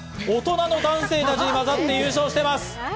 大人の男性たちに混じって優勝しています。